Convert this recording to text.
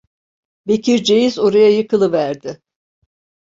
Bekirceğiz oraya yıkılıverdi.